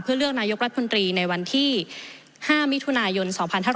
เพื่อเลือกนายกรัฐมนตรีในวันที่๕มิถุนายน๒๕๕๙